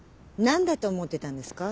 何だと思ってたんですか？